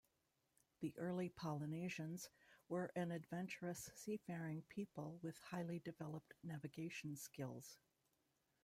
The early Polynesians were an adventurous seafaring people with highly developed navigation skills.